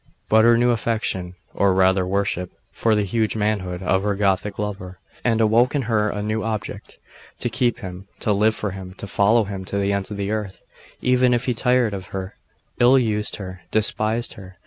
But her new affection, or rather worship, for the huge manhood of her Gothic lover had awoke in her a new object to keep him to live for him to follow him to the ends of the earth, even if he tired of her, ill used her, despised her.